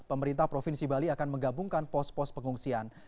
pemerintah provinsi bali akan menggabungkan pos pos pengungsian